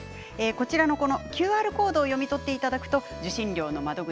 こちらのＱＲコードを読み取っていただくと受信料の窓口